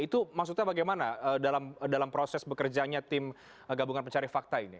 itu maksudnya bagaimana dalam proses bekerjanya tim gabungan pencari fakta ini